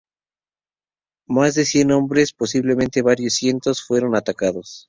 Más de cien hombres, posiblemente varios cientos, fueron atacados.